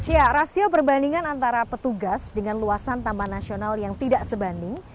ya rasio perbandingan antara petugas dengan luasan taman nasional yang tidak sebanding